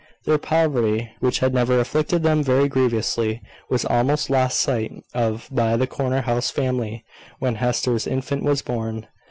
Their poverty, which had never afflicted them very grievously, was almost lost sight of by the corner house family, when Hester's infant was born.